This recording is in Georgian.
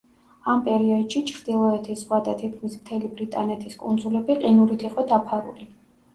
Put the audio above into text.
ამ პერიოდში ჩრდილოეთის ზღვა და თითქმის მთელი ბრიტანეთის კუნძულები ყინულით იყო დაფარული.